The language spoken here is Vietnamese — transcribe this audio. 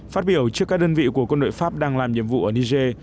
phát biểu trước các đơn vị của quân đội pháp đang làm nhiệm vụ ở niger